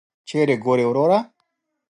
چیري ګورې وروره !